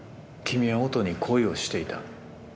君は音に恋をしていた。